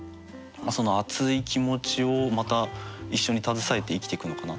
その熱い気持ちをまた一緒に携えて生きてくのかなっていう。